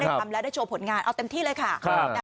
ทำแล้วได้โชว์ผลงานเอาเต็มที่เลยค่ะ